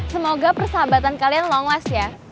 semoga persahabatan kalian long west ya